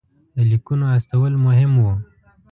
د لیکونو استول مهم وو.